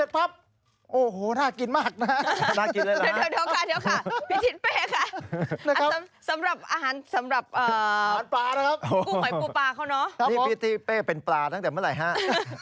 พีทิเตอร์เป็นปลาตั้งแต่เมื่อไรหัก